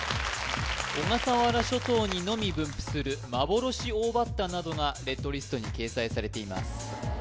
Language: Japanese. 小笠原諸島にのみ分布するマボロシオオバッタなどがレッドリストに掲載されています